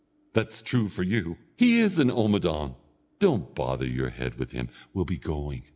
"That's true for you." "He is an omadawn." "Don't bother your head with him; we'll be going."